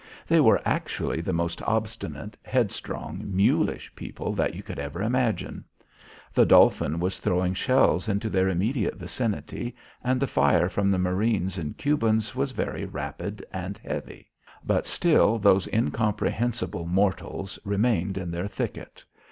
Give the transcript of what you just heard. They were actually the most obstinate, headstrong, mulish people that you could ever imagine. The Dolphin was throwing shells into their immediate vicinity and the fire from the marines and Cubans was very rapid and heavy, but still those incomprehensible mortals remained in their thicket.